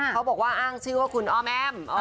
เขาบอกว่าอ้างชื่อว่าคุณอ้อแม่